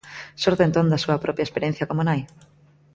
Xorde entón da súa propia experiencia como nai?